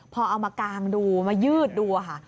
พอเอามากางดูมายืดดูค่ะ